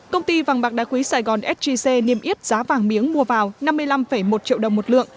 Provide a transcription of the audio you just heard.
công ty vàng bạc đa khuý sài gòn sgc niêm yếp giá vàng miếng mua vào năm mươi năm một triệu đồng một lượng